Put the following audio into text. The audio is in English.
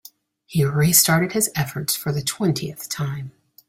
He restarted his efforts for the twentieth time.